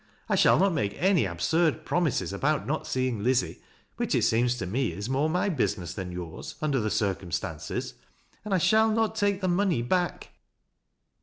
I shall not make any absurd promises about not seeing Lizzie, which, it leems to me, is more my business than yours, under the ■jircumstances — and I shall not take the money back."